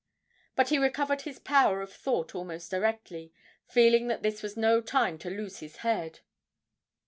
But he recovered his power of thought almost directly, feeling that this was no time to lose his head.